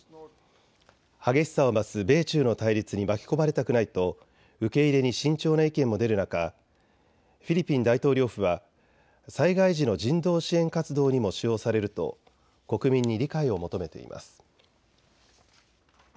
激しさを増す米中の対立に巻き込まれたくないと受け入れに慎重な意見も出る中、フィリピン大統領府は災害時の人道支援活動にも使用されると国民に理解を求めています。